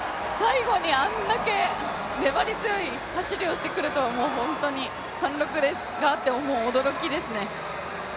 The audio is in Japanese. あれだけ粘り強い走りをしてくると本当に貫禄があってもう驚きですね。